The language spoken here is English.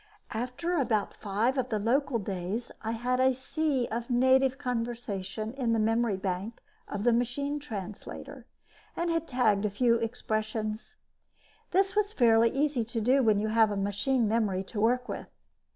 After about five of the local days, I had a sea of native conversation in the memory bank of the machine translator and had tagged a few expressions. This is fairly easy to do when you have a machine memory to work with.